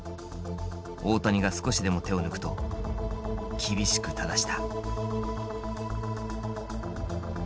大谷が少しでも手を抜くと厳しく正した。